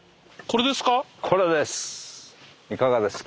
これです。